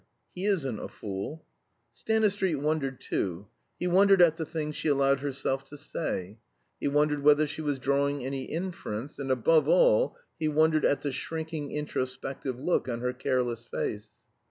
He isn't a fool." Stanistreet wondered too. He wondered at the things she allowed herself to say; he wondered whether she was drawing any inference; and above all, he wondered at the shrinking introspective look on her careless face.